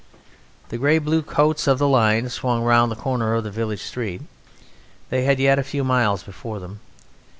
The grey blue coats of the line swung round the corner of the village street; they had yet a few miles before them.